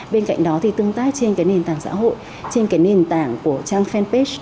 bên cạnh đó tương tác trên nền tảng xã hội trên nền tảng của trang fanpage